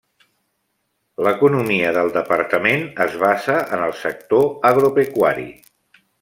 L'economia del departament es basa en el sector agropecuari.